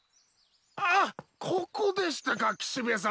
あっここでしたか岸辺様。